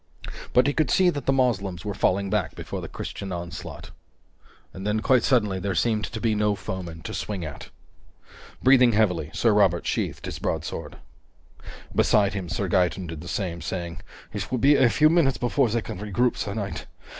But he could see that the Moslems were falling back before the Christian onslaught. And then, quite suddenly, there seemed to be no foeman to swing at. Breathing heavily, Sir Robert sheathed his broadsword. Beside him, Sir Gaeton did the same, saying: "It will be a few minutes before they can regroup, sir knight.